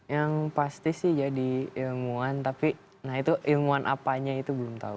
yang pasti sih jadi ilmuwan tapi nah itu ilmuwan apanya itu belum tahu